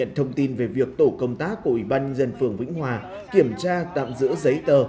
đã có thông tin về việc tổ công tác của ủy ban nhân dân phường vĩnh hòa kiểm tra tạm giữa giấy tờ